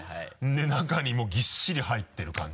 中にもうぎっしり入ってる感じ？